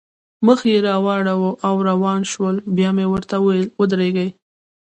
مخ یې واړاوه او روان شول، بیا مې ورته وویل: ودرېږئ.